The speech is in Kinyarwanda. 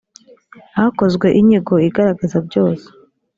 hakozwe inyigo igaragaza byose